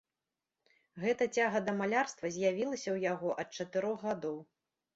Гэта цяга да малярства з'явілася ў яго ад чатырох гадоў.